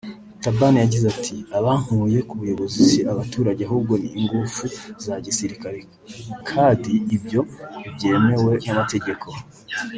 Thabane yagize ati “Abankuye ku buyobozi si abaturage ahubwo ni igufu za gisirikare kadi ibyo ntibyemewe n’amategeko